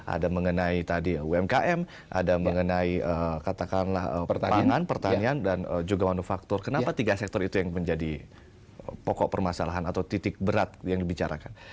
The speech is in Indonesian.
ada mengenai tadi umkm ada mengenai katakanlah pangan pertanian dan juga manufaktur kenapa tiga sektor itu yang menjadi pokok permasalahan atau titik berat yang dibicarakan